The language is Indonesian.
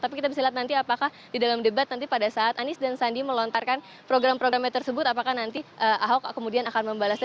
tapi kita bisa lihat nanti apakah di dalam debat nanti pada saat anies dan sandi melontarkan program programnya tersebut apakah nanti ahok kemudian akan membalasnya